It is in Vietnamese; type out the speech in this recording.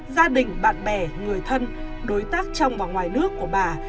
gia đình bạn bè người thân đối tác trong và ngoài nước của bà